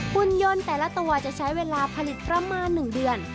หุ่นยนต์แต่ละตัวจะใช้เวลาผลิตประมาณ๑เดือน